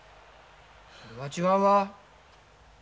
それは違うわ。